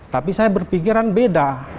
tapi saya berpikiran beda